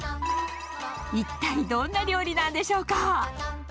一体どんな料理なんでしょうか。